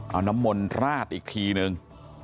เอาน้ำมนต์ราดอีกทีนึง